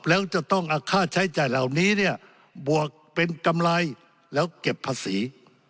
แล้วจะต้องเอาค่าใช้จ่ายเหล่านี้เนี่ยบวกเป็นกำไรแล้วเก็บภาษี